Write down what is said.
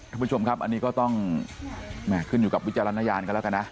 ท่านผู้ชมครับอันนี้ก็ต้องขึ้นอยู่กับวิจารณญาณกันแล้วกันนะ